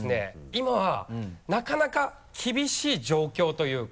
今はなかなか厳しい状況というか。